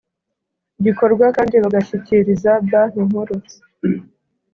gikorwa kandi bagashyikiriza Banki Nkuru